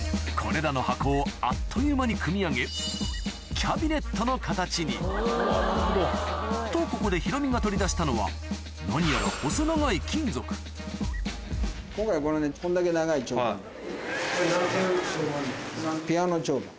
これらの箱をあっという間に組み上げキャビネットの形にとここでヒロミが取り出したのは何やら今回こんだけ長い蝶番なの。